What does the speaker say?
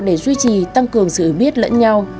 để duy trì tăng cường sự biết lẫn nhau